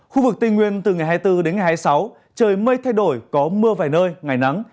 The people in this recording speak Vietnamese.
khu vực tây nguyên từ ngày hai mươi bốn đến ngày hai mươi sáu trời mây thay đổi có mưa vài nơi ngày nắng